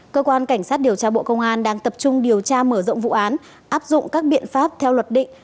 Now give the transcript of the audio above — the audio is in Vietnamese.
cơ quan cảnh sát điều tra bộ công an đang tập trung điều tra mở rộng vụ án áp dụng các biện pháp theo luật định